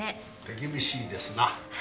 手厳しいですな。